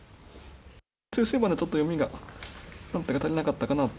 中終盤のちょっと読みが足りなかったかなと。